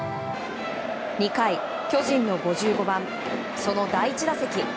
２回、巨人の５５番その第１打席。